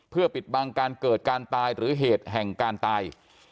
เพื่อปิดบังการเกิดการตายหรือเหตุแห่งการตาย